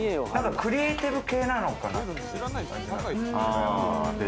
クリエイティブ系なのかな。